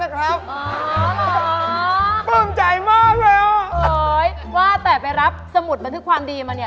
คุณครูเขาเรียกให้ไปรับสมุดบันทึกความดีแทนน